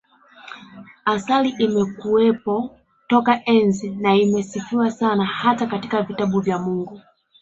Asali imekuwepo toka enzi na imesifiwa sana hata katika vitabu vya Mungu